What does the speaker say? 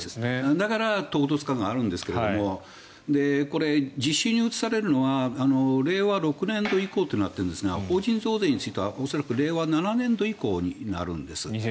だから唐突感があるんですけどこれ、実施に移されるのは令和６年度以降となっているんですが法人増税については恐らく令和７年以降になるんです。